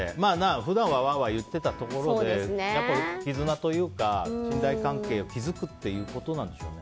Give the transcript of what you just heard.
普段はワーワー言ってたところで絆というか信頼関係を築くということなんでしょうね。